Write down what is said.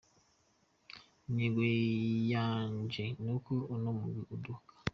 "Intego yanje nuko uno mugwi uduga.